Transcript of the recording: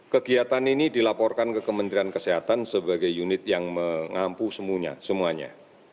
kegiatan ini dilaporkan ke kementerian kesehatan sebagai unit yang mengampu semuanya